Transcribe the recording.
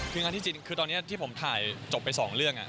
คืองานที่จริงคือตอนนี้ที่ผมถ่ายจบไป๒เรื่อง